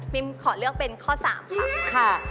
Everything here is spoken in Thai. พิมขอเลือกเป็นข้อ๓ค่ะค่ะ